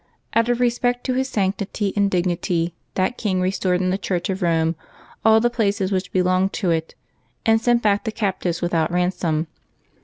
Out of respect to his sanctity and dignity, that king restored to the Church of Eome all the places which belonged to it, and sent back the captives without ransom..